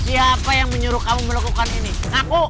siapa yang menyuruh kamu melakukan ini